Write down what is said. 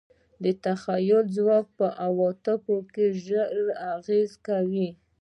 تخیلي ځواک په عواطفو ژور اغېز کوي.